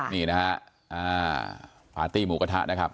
นี่นะฮะปาร์ตี้หมูกระทะนะครับ